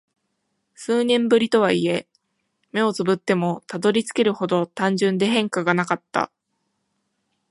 数年ぶりとはいえ、目を瞑ってもたどり着けるほど単純で変化がなかった。